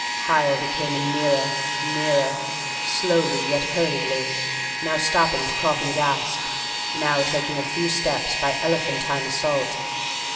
"Higher he came and nearer, nearer, slowly yet hurriedly, now stopping to cough and gasp, now taking a few steps by elephantine assault.